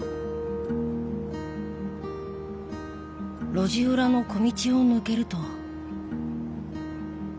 路地裏の小道を抜けると。